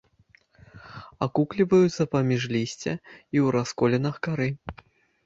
Акукліваюцца паміж лісця і ў расколінах кары.